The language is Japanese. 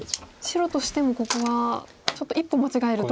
白としてもここはちょっと一歩間違えると。